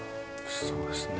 そうですね